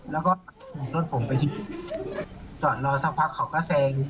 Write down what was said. แล้วก็รถผมไปจอดรอสักพักเขาก็แซง